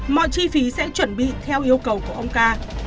mọi chi phí sẽ chuẩn bị theo yêu cầu của ông ca